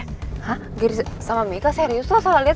hah gary sama mika serius lo salah liat